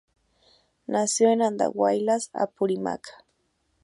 Nació en Andahuaylas, Apurímac.